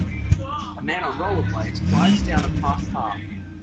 A man on Rollerblades glides down a park path.